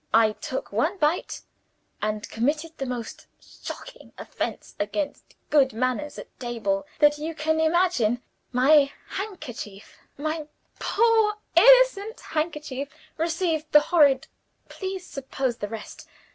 I took one bite, and committed the most shocking offense against good manners at table that you can imagine. My handkerchief, my poor innocent handkerchief, received the horrid please suppose the rest.